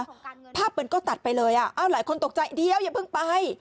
ภาพมันก็ตัดไปเลยอ่ะอ้าวหลายคนตกใจเดี๋ยวอย่าเพิ่งไป